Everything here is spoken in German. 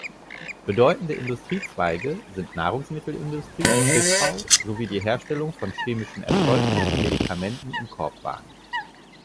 Bedeutende Industriezweige sind Nahrungsmittelindustrie, Schiffbau sowie die Herstellung von chemischen Erzeugnissen, Medikamenten und Korbwaren.